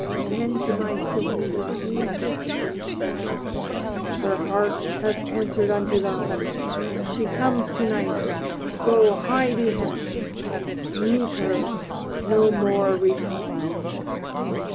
Then to my soul there came this sense: "Her heart has answered unto thine; She comes, to night. Go, hie thee hence! Meet her: no more repine!"